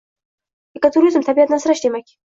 Ekoturizm – tabiatni asrash demak